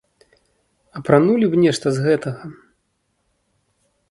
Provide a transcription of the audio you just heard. Апранулі б нешта з гэтага?